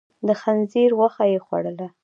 د خنزير غوښه يې خوړله.